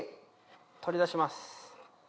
取り出します。